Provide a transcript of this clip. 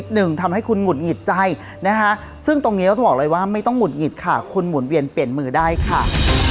หมอต้มแต๊กจะเรียนลำดับคนที่มีเกณฑ์ให้ฟังกันค่ะ